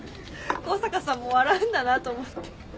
香坂さんも笑うんだなと思って。